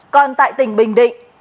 còn tại tỉnh bình định